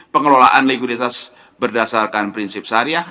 pengelolaan likuiditas berdasarkan prinsip syariah